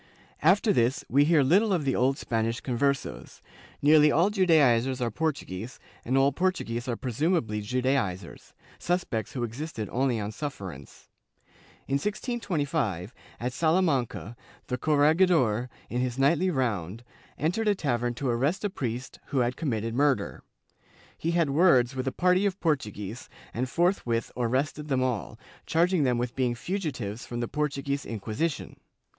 After this we hear little of the old Spanish Con versos; nearly all Judaizers are Portuguese and all Portuguese are presumably Judaizers — suspects who existed only on sufferance. In 1625, at Salamanca, the corregidor, in his nightly round, entered a tavern to arrest a priest who had committed murder. He had words with a party of Portuguese and forthwith arrested them all, charging them with being fugitives from the Portuguese Inquisition.